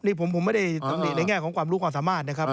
นี่ผมไม่ได้ตำหนิในแง่ของความรู้ความสามารถนะครับ